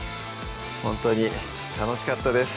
ほんとに楽しかったです